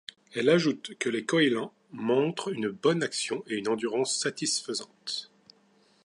Elle ajoute que les Koheilan montrent une bonne action et une endurance satisfaisante.